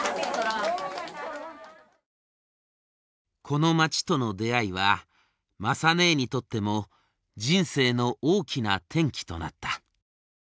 この町との出会いは雅ねえにとっても人生の大きな転機となった。